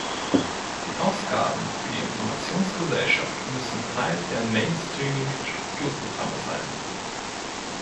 Die Ausgaben für die Informationsgesellschaft müssen Teil der mainstreaming -Strukturprogramme sein.